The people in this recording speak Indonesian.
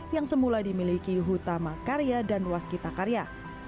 yang semula dimiliki hutama karya dan ruas kita karya